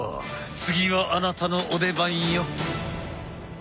次はあなたのお出番よ。